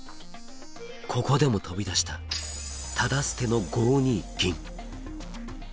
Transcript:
ここでも飛び出したタダ捨ての５二銀